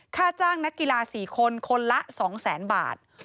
ค่าจ้างนักกีฬา๔คนคนละ๒๐๐๐๐บาท